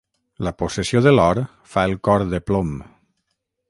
La possessió de l'or fa el cor de plom.